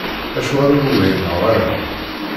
Acuɣer ur whimeɣ ara?